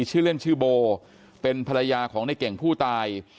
ชื่อเล่นชื่อโบเป็นภรรยาของในเก่งผู้ตาย